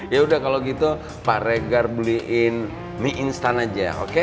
yaudah kalo gitu pak regar beliin mie instan aja oke